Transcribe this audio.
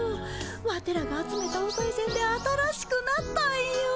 ワテらが集めたおさいせんで新しくなったんよ。